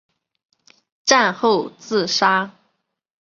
战后自杀。